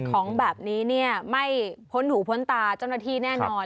ของแบบนี้เนี่ยไม่พ้นหูพ้นตาเจ้าหน้าที่แน่นอน